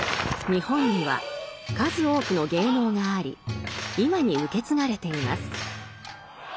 日本には数多くの芸能があり今に受け継がれています。